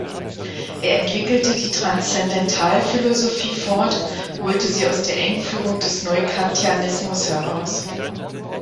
Er entwickelte die Transzendentalphilosophie fort, holte sie aus der Engführung des Neukantianismus heraus.